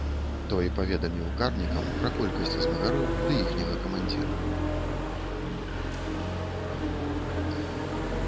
Той паведаміў карнікам пра колькасць змагароў ды іхняга камандзіра.